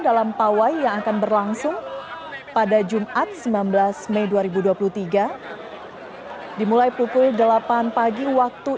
dalam pawai yang akan berlangsung pada jumat sembilan belas mei dua ribu dua puluh tiga dimulai pukul delapan pagi waktu